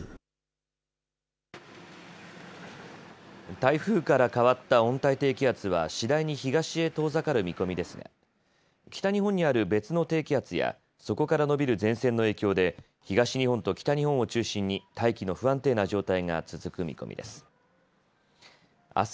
台風から変わった温帯低気圧は次第に東へ遠ざかる見込みですが北日本にある別の低気圧やそこから延びる前線の影響で東日本と北日本を中心に大気の不安定な状態が続く見込みです。